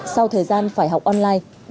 sau thời gian phải học online